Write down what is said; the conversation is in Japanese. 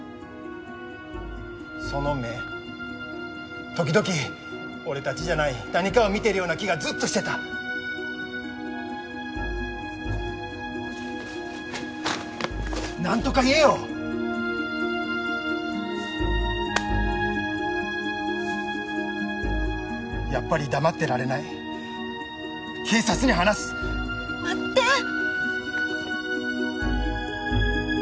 その目時々俺たちじゃない何かを見てるような気がずっとしてたなんとか言えよやっぱり黙ってられない警察に話す待って！